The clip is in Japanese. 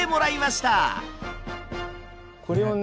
これをね